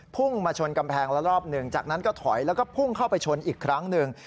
พุ่งมาชนกำแพงแล้วรอบหนึ่งจากนั้นก็ถอยแล้วก็พุ่งเข้าไปชนอีกครั้งหนึ่ง